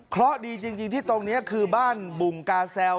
เพราะดีจริงที่ตรงนี้คือบ้านบุงกาแซว